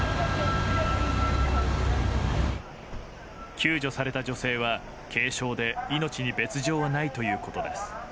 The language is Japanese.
救助された女性は軽傷で命に別条はないということです。